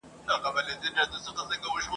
څښتن به مي د واک یمه خالق چي را بخښلی ..